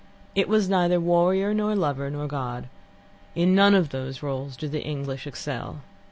It was neither warrior, nor lover, nor god; in none of these roles do the English excel.